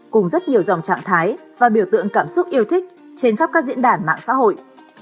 cùng rất nhiều dòng trạng thái và biểu tượng cảm xúc yêu thích trên khắp các diễn đàn mạng xã hội